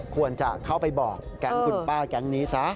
ควรจะเข้าไปบอกแก๊งคุณป้าแก๊งนี้ซะ